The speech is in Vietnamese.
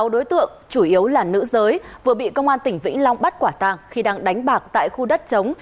sáu đối tượng chủ yếu là nữ giới vừa bị công an tỉnh vĩnh long bắt quả tàng khi đang đánh bạc tại khu đất chống